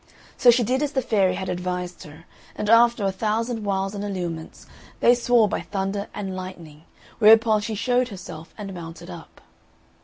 So she did as the fairy had advised her; and after a thousand wiles and allurements, they swore by Thunder and Lightning, whereupon she showed herself and mounted up.